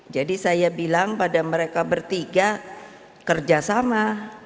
jadi saya bilang pada mereka bertiga kerjasama